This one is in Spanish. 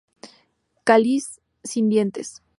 Cáliz sin dientes.